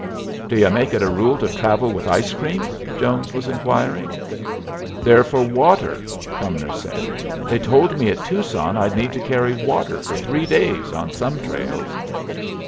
"Do y'u make it a rule to travel with ice cream?" Jones was inquiring. "They're for water," Cumnor said. "They told me at Tucson I'd need to carry water for three days on some trails."